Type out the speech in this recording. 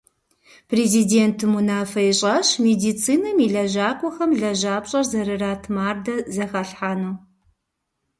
Президентым унафэ ищӀащ медицинэм и лэжьакӀуэхэм лэжьапщӀэр зэрырат мардэ зэхалъхьэну.